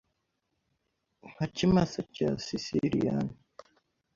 Nka kimasa cya Sisiliyani (cyavugije mbere